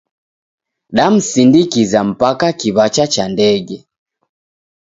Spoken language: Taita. Damsindikiza mpaka kiw'acha cha ndege.